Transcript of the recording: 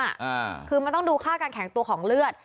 อ่าคือมันต้องดูค่าการแข็งตัวของเลือด